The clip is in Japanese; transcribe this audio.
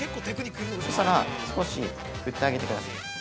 ◆そしたら、少し振ってあげてください。